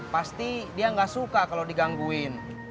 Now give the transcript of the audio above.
pasti dia nggak suka kalau digangguin